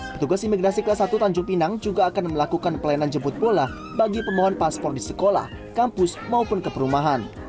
petugas imigrasi kelas satu tanjung pinang juga akan melakukan pelayanan jemput bola bagi pemohon paspor di sekolah kampus maupun ke perumahan